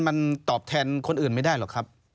มันตอบแทนคนอื่นไม่ได้หรอกครับ